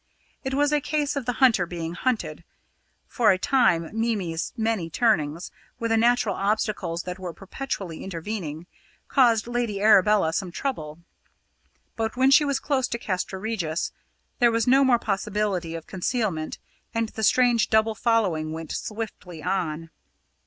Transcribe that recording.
It was a case of the hunter being hunted. For a time Mimi's many turnings, with the natural obstacles that were perpetually intervening, caused Lady Arabella some trouble; but when she was close to Castra Regis, there was no more possibility of concealment, and the strange double following went swiftly on.